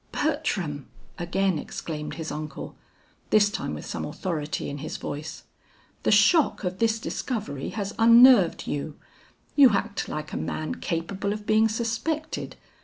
"Bertram!" again exclaimed his uncle, this time with some authority in his voice. "The shock of this discovery has unnerved you. You act like a man capable of being suspected.